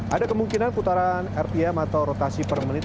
ada kemungkinan putaran rtm atau rotasi per menit